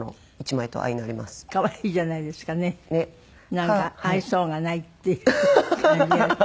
なんか愛想がないっていう感じがして。